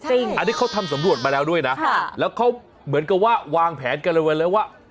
อันนี้เขาทำสำรวจมาแล้วด้วยนะแล้วเขาเหมือนกับว่าวางแผนกันเลยไว้แล้วว่า